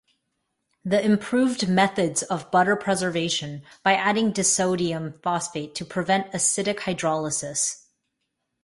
The improved methods of butter preservation, by adding disodium phosphate to prevent acidic hydrolysis.